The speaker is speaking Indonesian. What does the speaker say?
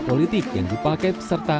serta topeng yang dipakai untuk membuat topeng